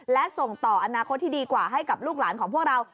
และส่งต่ออนาคตที่ดีกว่าให้กับลูกหลานของพวกเรา